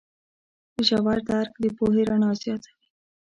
ژور درک د پوهې رڼا زیاتوي.